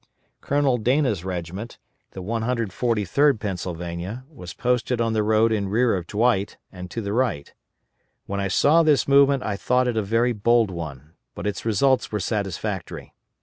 Colonel Dana's regiment, the 143d Pennsylvania, was posted on the road in rear of Dwight and to the right. When I saw this movement I thought it a very bold one, but its results were satisfactory.